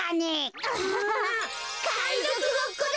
かいぞくごっこだ！